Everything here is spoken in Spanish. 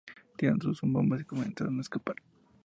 Tiraron sus bombas y comenzaron a escapar.